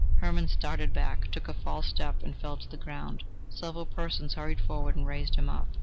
Hermann started back, took a false step and fell to the ground. Several persons hurried forward and raised him up.